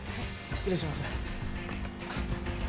失礼します。